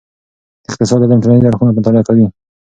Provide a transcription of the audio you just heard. د اقتصاد علم ټولنیز اړخونه مطالعه کوي.